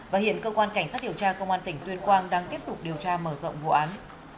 và hiện cơ quan cảnh sát điều tra công an tỉnh tuyên quang đang tiếp tục điều tra mở rộng vụ án